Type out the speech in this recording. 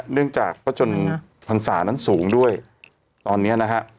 เนื่องจากประชุมภัณฑ์ภัณฑานั้นสูงด้วยตอนนี้